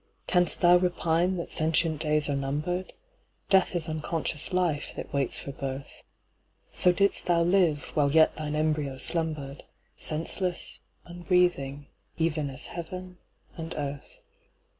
Canst thou repine that sentient days are numbered? Death is unconscious Life, that waits for birth; So didst thou live, while yet thine embryo slumbered, Senseless, unbreathing, even as heaven and earth.